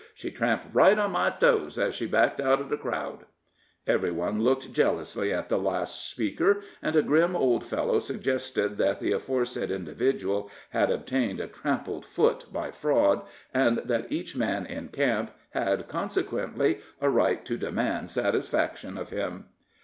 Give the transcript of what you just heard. "She tramped right on my toes as she backed out uv the crowd." Every one looked jealously at the last speaker, and a grim old fellow suggested that the aforesaid individual had obtained a trampled foot by fraud, and that each man in camp had, consequently, a right to demand satisfaction of him.